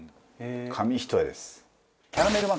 紙一重です。